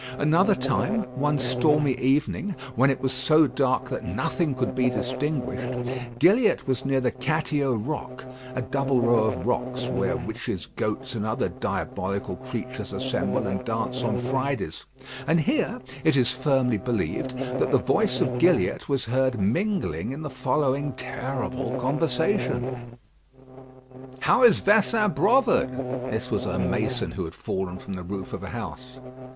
Another time, one stormy evening, when it was so dark that nothing could be distinguished, Gilliatt was near the Catiau Roque a double row of rocks where witches, goats, and other diabolical creatures assemble and dance on Fridays and here, it is firmly believed, that the voice of Gilliatt was heard mingling in the following terrible conversation: "How is Vesin Brovard?" (This was a mason who had fallen from the roof of a house.)